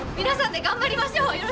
皆さんで頑張りましょう！